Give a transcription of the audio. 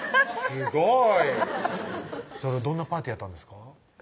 すごいそれはどんなパーティーやったんですか？